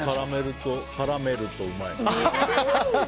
絡めるとうまい。